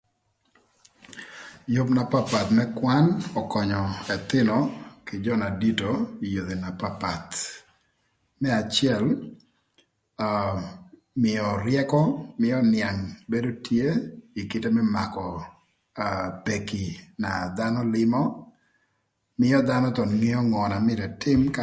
Yüb na papath më kwan ökönyö ëthïnö kï jö na dito ï yodhi na papath. Më acël aa mïö ryëkö, mïö nïang bedo tye ï kite më makö aa peki na dhanö lïmö. Mïö dhanö thon tïmö ngö na mïtö ëtïm ka